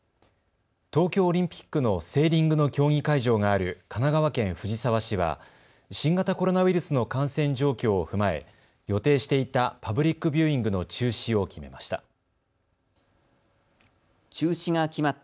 東京オリンピックのセーリングの競技会場がある神奈川県藤沢市は新型コロナウイルスの感染状況を踏まえ予定していたパブリックビューイングの中止を決めました。